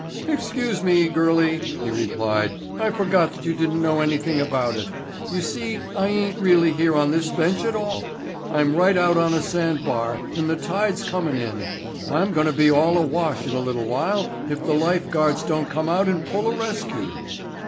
"Excuse me, girlie," he replied. "I forgot that you didn't know anything about it. You see I ain't really here on this bench at all. I'm right out on a sand bar and the tide's comin' in. I'm goin' to be all awash in a little while if the life guards don't come out and pull a rescue."